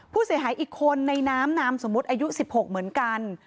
ผู้เสียหายอีกคนในน้ำนามสมมุติอายุ๑๖เหมือนกัน